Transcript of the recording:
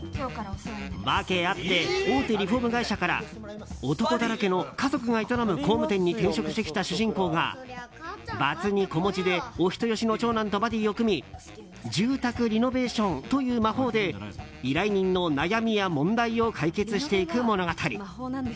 訳あって大手リフォーム会社から男だらけの家族が営む工務店に転職してきた主人公が、バツ２子持ちでお人よしの長男とバディーを組み住宅リノベーションという魔法で依頼人の悩みや問題を解決していく物語。